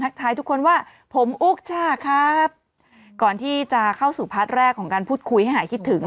ท้ายทุกคนว่าผมอุ๊กจ้าครับก่อนที่จะเข้าสู่พาร์ทแรกของการพูดคุยให้หายคิดถึง